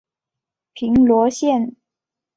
平罗线